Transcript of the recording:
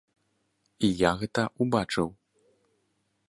І я гэта ўбачыў.